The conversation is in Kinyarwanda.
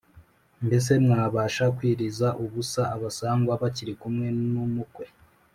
“mbese mwabasha kwiriza ubusa abasangwa bakiri kumwe n’umukwe?